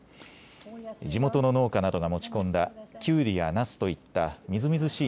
地元の農家などが持ち込んだきゅうりやなすといったみずみずしい